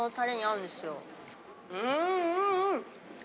うん！